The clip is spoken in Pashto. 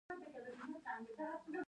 زه د خپلو احساساتو کنټرول کوم.